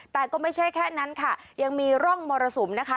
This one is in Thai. แต่ก็ไม่ใช่แค่นั้นค่ะยังมีร่องมรสุมนะคะ